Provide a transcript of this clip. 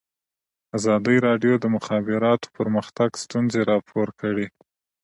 ازادي راډیو د د مخابراتو پرمختګ ستونزې راپور کړي.